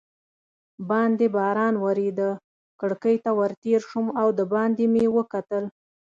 باندې باران ورېده، کړکۍ ته ور تېر شوم او دباندې مې وکتل.